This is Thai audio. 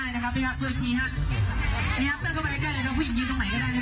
นี่ครับผู้หญิงเลือกเข้าไปใกล้อย่างนี้ครับ